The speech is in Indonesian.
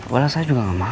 walau saya juga enggak mau